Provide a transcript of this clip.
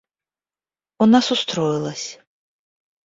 У нас устроилось.